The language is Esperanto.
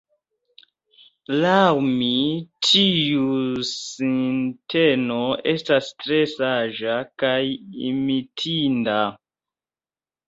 Laŭ mi, tiu sinteno estas tre saĝa kaj imitinda.